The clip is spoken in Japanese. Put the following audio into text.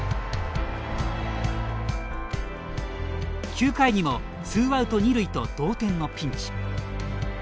９回にもツーアウト二塁と同点のピンチ。